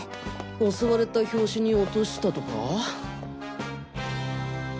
襲われた拍子に落としたとか。